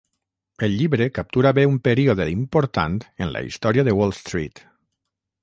El llibre captura bé un període important en la història de Wall Street.